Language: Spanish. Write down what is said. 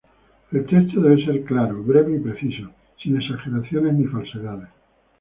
El texto debe ser claro, breve y preciso, sin exageraciones ni falsedades.